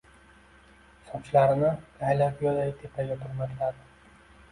Sochlarini «laylak uya»day tepaga turmakladi.